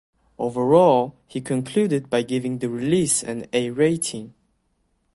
Overall he concluded by giving the release an "A" rating.